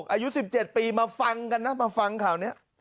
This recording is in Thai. อายุ๑๗ปีมาฟังกันนะมาฟังข่าวนี้